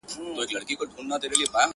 پۀ ماسومتوب كې بۀ چي خپلې مور هغه وهله.